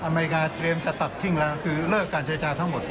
อเมริกาเตรียมจะตัดทิ้งแล้วคือเลิกการเจรจาทั้งหมด